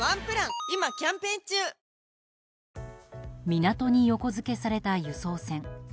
港に横付けされた輸送船。